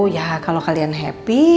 ya kalau kalian happy